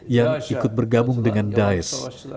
yang ikut bergabung dengan daes